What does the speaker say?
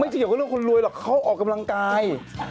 ไม่จริงก็เรียกว่าคนรวยหรอกเขาออกกำลังกาย